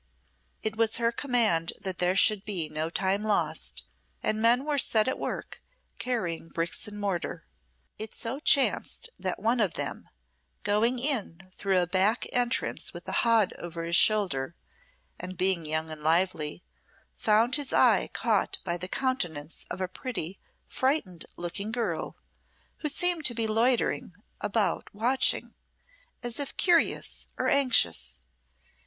It was her command that there should be no time lost, and men were set at work, carrying bricks and mortar. It so chanced that one of them, going in through a back entrance with a hod over his shoulder, and being young and lively, found his eye caught by the countenance of a pretty, frightened looking girl, who seemed to be loitering about watching, as if curious or anxious.